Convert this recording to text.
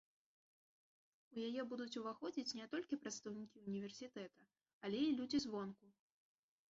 У яе будуць уваходзіць не толькі прадстаўнікі універсітэта, але і людзі звонку.